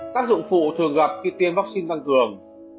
tác dụng phụ thường gặp khi tiêm vaccine tăng cường